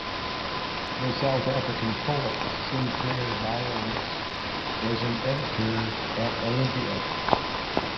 The South African poet Sinclair Beiles was an editor at Olympia.